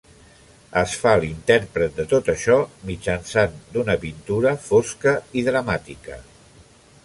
Es fa l'intèrpret de tot això mitjançant d'una pintura fosca i dramàtica.